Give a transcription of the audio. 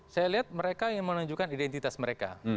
saya lihat mereka yang menunjukkan identitas mereka